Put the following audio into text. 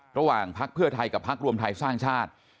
พักเพื่อไทยกับพักรวมไทยสร้างชาติ